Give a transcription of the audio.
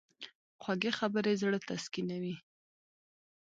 خوږې خبرې زړه تسکینوي.